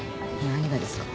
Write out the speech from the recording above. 何ですか？